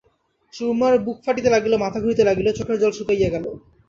সুরমার বুক ফাটিতে লাগিল, মাথা ঘুরিতে লাগিল, চোখের জল শুকাইয়া গেল।